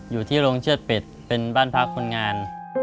อยู่ที่โรงเชือดเป็ดเป็นบ้านพักคนงาน